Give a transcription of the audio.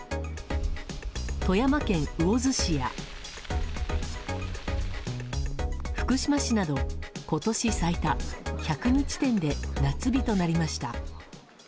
富山県魚津市や、福島市など今年最多１０２地点で夏日となりました。